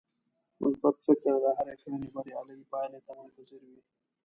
مثبت فکر د هرې کړنې بريالۍ پايلې ته منتظر وي.